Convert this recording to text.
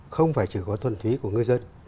không phải chỉ có thuần thúy của ngư dân